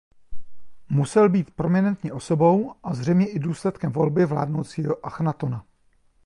Musel být prominentní osobou a zřejmě i důsledkem volby vládnoucího Achnatona.